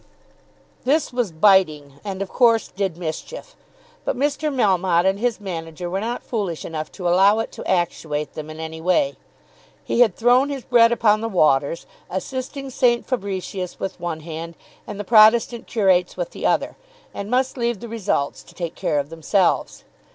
This was biting, and of course did mischief; but Mr. Melmotte and his manager were not foolish enough to allow it to actuate them in any way. He had thrown his bread upon the waters, assisting St. Fabricius with one hand and the Protestant curates with the other, and must leave the results to take care of themselves.